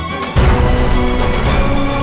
oma kenapa oma